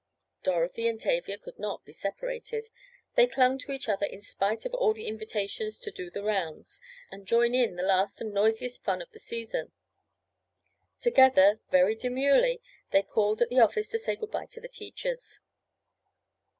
Dorothy and Tavia could not be separated. They clung to each other in spite of all the invitations to "do the rounds" and join in the last and noisiest fun of the season. Together, very demurely, they called at the office to say good bye to the teachers.